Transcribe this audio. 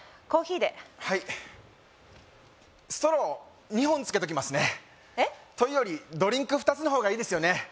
コーヒーではいストロー２本つけときますねえっ？というよりドリンク２つの方がいいですよね